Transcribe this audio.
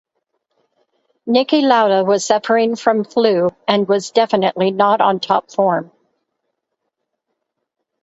Niki Lauda was suffering from flu and was definitely not on top form.